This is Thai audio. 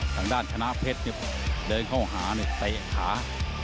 ข้างด้านชนะเพชรเดินเข้าหาเตะขา